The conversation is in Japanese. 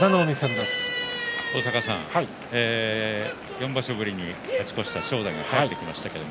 ４場所ぶりに勝ち越した正代が帰ってきました。